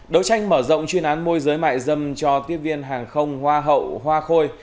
đấu tranh mở rộng chuyên án môi giới mại dâm cho tiếp viên hàng không hoa hậu hoa khôi